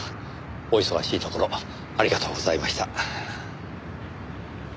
お忙しいところありがとうございました。